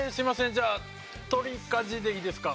じゃあ取舵でいいですか？